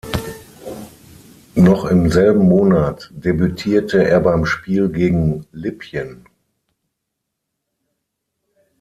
Noch im selben Monat debütierte er beim Spiel gegen Libyen.